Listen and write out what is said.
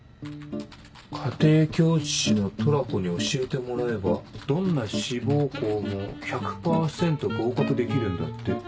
「家庭教師のトラコに教えてもらえばどんな志望校も１００％合格できるんだって」。